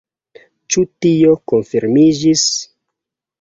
Ĉu tio konfirmiĝis?